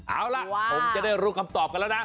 เอาล่ะผมจะได้รู้คำตอบกันแล้วนะ